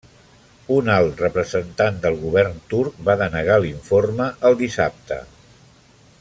Un alt representant del govern turc va denegar l'informe el dissabte.